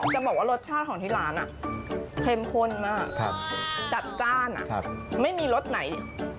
จะบอกว่ารสชาติของที่ร้านเข้มข้นมากจัดจ้านไม่มีรสไหน